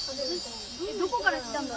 どこから来たんだろう？